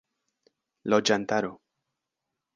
loĝantaro